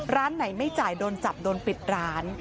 ร้านไหนไม่จ่ายโดนจับโดนปิดร้าน